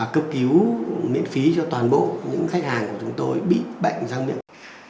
cấp cứu miễn phí cho toàn bộ những khách hàng của chúng tôi bị bệnh răng miệng